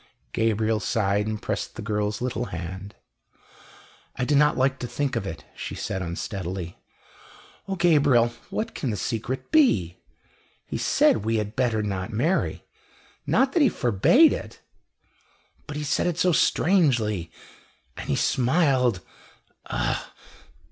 Gabriel sighed and pressed the girl's little hand. "I do not like to think of it," she said unsteadily. "O Gabriel, what can the secret be? He said we had better not marry not that he forbade it but he said it so strangely, and he smiled ugh!"